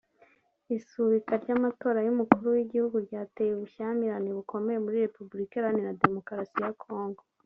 Isubika ry'amatora y'umukuru w'igihugu ryateye ubushyamirane bukomeye muri Repubulika Iharanira Demokarasi ya Congo